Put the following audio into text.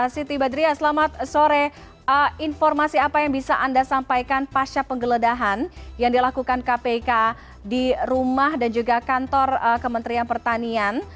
siti badriah selamat sore informasi apa yang bisa anda sampaikan pasca penggeledahan yang dilakukan kpk di rumah dan juga kantor kementerian pertanian